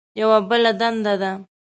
یوه بله دنده ده.